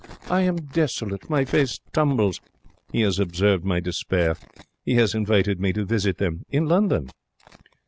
I am desolate. My face tumbles. He has observed my despair. He has invited me to visit them in London.